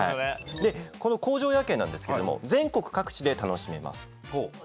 でこの工場夜景なんですけども全国各地で楽しめます。